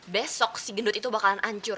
besok si gendut itu bakalan hancur